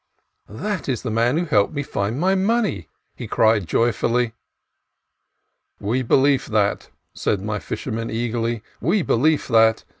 "That is the Man who helped me to find my money!" he cried joyfully. "We belief that," said my fisherman eagerly ;" we belief that.